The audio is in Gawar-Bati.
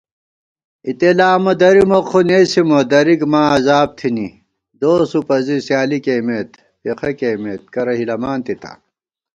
اِتےلامہ درِمہ خو نېسِمہ درِک ماں عذاب تھنی * دوس وُپَزی سیالی کېئیمېت پېخہ کېئیمت کرہ ہِلَمان تِتا